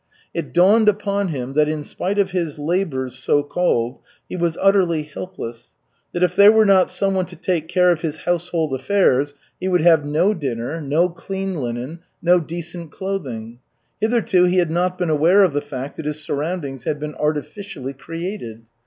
It dawned upon him that in spite of his labors, so called, he was utterly helpless, that if there were not someone to take care of his household affairs, he would have no dinner, no clean linen, no decent clothing. Hitherto he had not been aware of the fact that his surroundings had been artificially created.